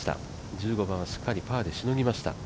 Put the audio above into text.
１５番はしっかりしのぎました。